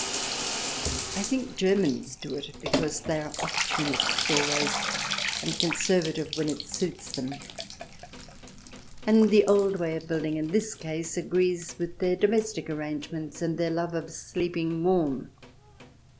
I think Germans do it because they are opportunists always, and conservative when it suits them, and the old way of building in this case agrees with their domestic arrangements and their love of sleeping warm.